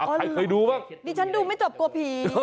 ใครเคยดูหรือเปล่านี่ฉันดูไม่จบกว่าผี